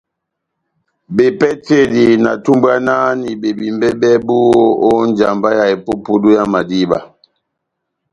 Bapehetedi na tumbwanahani bebímbɛ bɛbu ó njamba ya epupudu yá madíba.